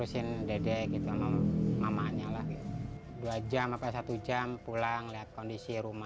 biar kesukupan gitu